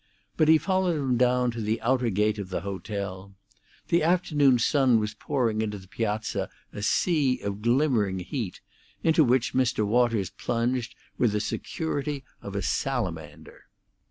But he followed him down to the outer gate of the hotel. The afternoon sun was pouring into the piazza a sea of glimmering heat, into which Mr. Waters plunged with the security of a salamander.